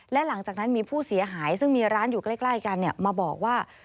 และหลังจากนั้นมีผู้เสียหายซึ่งมีร้านอยู่ใกล้กันมาบอกว่า